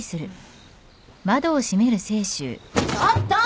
ちょっと！